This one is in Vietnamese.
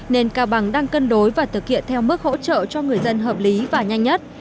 nên cao bằng đang cân đối và thực hiện theo mức hỗ trợ cho người dân hợp lý và nhanh nhất